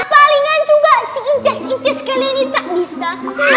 palingan juga si insis insis kalian ini tak bisa